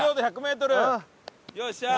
よっしゃー！